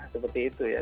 seperti itu ya